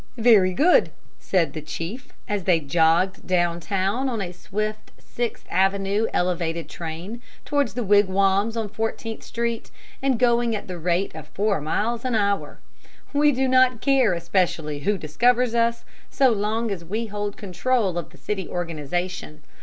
"Very good," said the chief, as they jogged down town on a swift Sixth Avenue elevated train towards the wigwams on 14th Street, and going at the rate of four miles an hour. "We do not care especially who discovers us, so long as we hold control of the city organization.